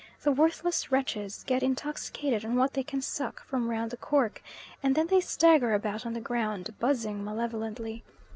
The worthless wretches get intoxicated on what they can suck from round the cork, and then they stagger about on the ground buzzing malevolently.